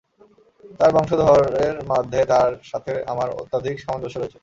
তাঁর বংশধরের মধ্যে তাঁর সাথে আমার অত্যধিক সামঞ্জস্য রয়েছে।